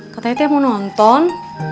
katanya teh mau nonton